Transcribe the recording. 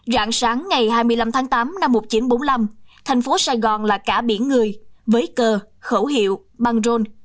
rạng sáng ngày hai mươi năm tháng tám năm một nghìn chín trăm bốn mươi năm thành phố sài gòn là cả biển người với cờ khẩu hiệu băng rôn